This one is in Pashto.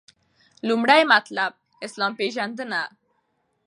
لومړی مطلب : اسلام پیژندنه